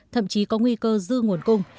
thậm chí có nguy cơ dư nguồn cung